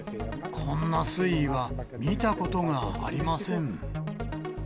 こんな水位は見たことがありません。